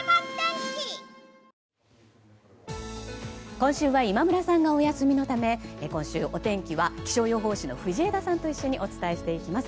今週は今村さんがお休みのため今週、お天気は気象予報士の藤枝さんと一緒にお伝えしていきます。